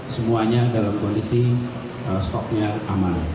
semuanya dalam kondisi stoknya aman